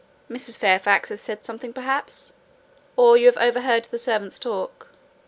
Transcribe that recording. Mrs. Fairfax has said something, perhaps? or you have overheard the servants talk?